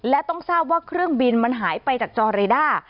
และต้องทราบว่าเครื่องบินมันหายไปจากจอเรด้า